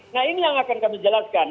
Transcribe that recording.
nah ini yang akan kami jelaskan